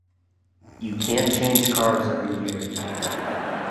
You can’t change cars every year.